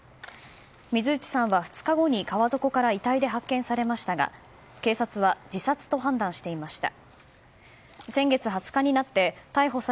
水内さんは２日後に川底から遺体で発見されましたが警察は自殺と判断していました。